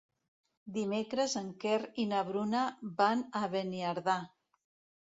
Dimecres en Quer i na Bruna van a Beniardà.